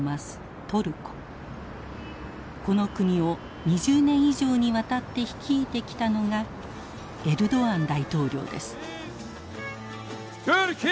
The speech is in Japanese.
この国を２０年以上にわたって率いてきたのがエルドアン大統領です。